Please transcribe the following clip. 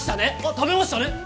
あ食べましたね？